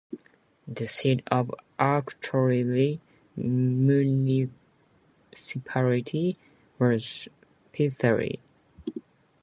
The seat of Akrotiri municipality was Pythari.